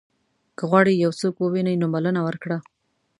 که غواړې یو څوک ووینې نو بلنه ورکړه.